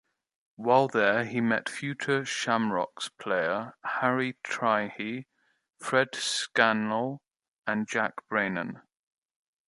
While there, he met future Shamrocks' players Harry Trihey, Fred Scanlan and Jack Brannen.